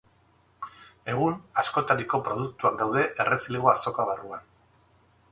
Egun, askotariko produktuak daude Errezilgo Azoka barruan.